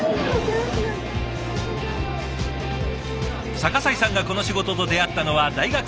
逆井さんがこの仕事と出会ったのは大学生の時。